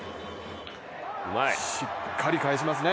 しっかり返しますね